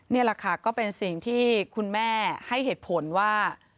นี่แหละค่ะก็เป็นสิ่งที่คุณแม่ให้เหตุผลว่า